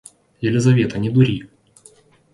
Елизавета, не дури.